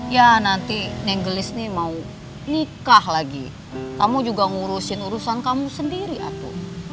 ya nanti nenggelis nih mau nikah lagi kamu juga ngurusin urusan kamu sendiri aku